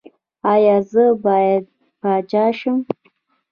ایا زه باید پاچا شم؟